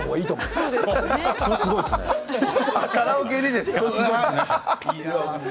カラオケですか？